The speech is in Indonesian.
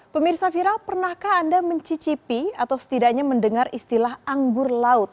pemirsa viral pernahkah anda mencicipi atau setidaknya mendengar istilah anggur laut